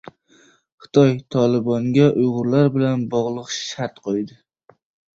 Xitoy "Tolibon"ga uyg‘urlar bilan bog‘liq shart qo‘ydi